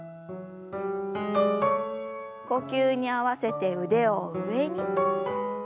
呼吸に合わせて腕を上に。